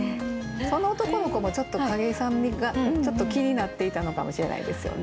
その男の子もちょっと景井さんが気になっていたのかもしれないですよね。